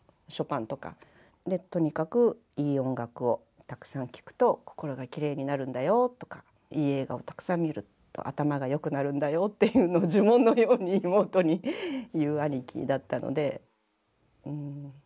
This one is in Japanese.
とにかくいい音楽をたくさん聴くと心がきれいになるんだよとかいい映画をたくさん見ると頭がよくなるんだよっていうの呪文のように妹に言う兄貴だったので。